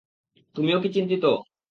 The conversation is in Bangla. তুমিও কি চিন্তিত?